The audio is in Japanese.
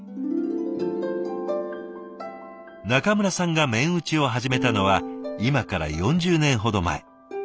中村さんが面打ちを始めたのは今から４０年ほど前。